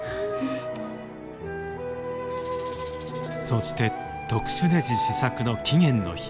そして特殊ねじ試作の期限の日。